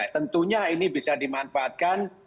tentunya ini bisa dimanfaatkan